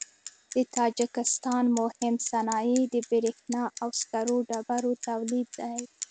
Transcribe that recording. د تاجکستان مهم صنایع د برېښنا او سکرو ډبرو تولید دی.